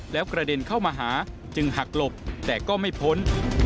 แล้วกระเด็นเข้ามาหาจึงหักหลบแต่ก็ไม่พ้น